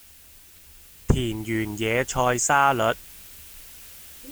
田園野菜沙律